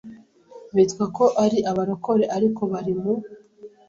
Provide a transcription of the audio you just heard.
bitwa ko ari abarokore ariko bari mu